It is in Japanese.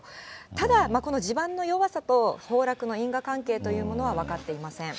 ただ、地盤の弱さと崩落の因果関係というものは分かっていません。